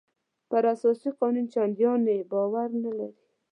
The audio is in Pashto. پر اساسي قانون چندانې باور نه لري.